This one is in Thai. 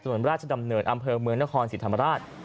ถนนราชดำเนิดอำเภอเมืองนครศิษย์ธรรมราช